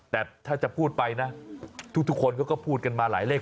แต่ถ้าจะพูดไปนะทุกคนเขาก็พูดกันมาหลายเลข